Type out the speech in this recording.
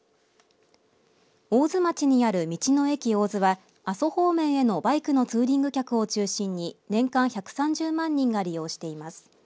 大津町にある道の駅大津は阿蘇方面へのバイクのツーリング客を中心に年間１３０万人が利用しています。